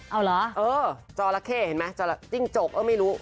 เอาเหรอเออจอราเคเห็นไหมจอราเคจิ้งจกเอ้าไม่รู้